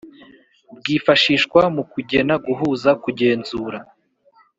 bwifashishwa mu kugena guhuza kugenzura